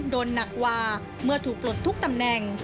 หนักกว่าเมื่อถูกปลดทุกตำแหน่ง